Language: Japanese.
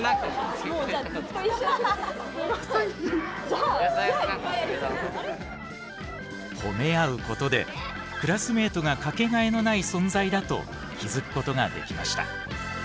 すごい！ほめ合うことでクラスメイトが掛けがえのない存在だと気付くことができました。